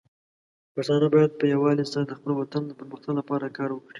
پښتانه بايد په يووالي سره د خپل وطن د پرمختګ لپاره کار وکړي.